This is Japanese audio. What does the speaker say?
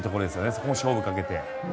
そこも勝負をかけて。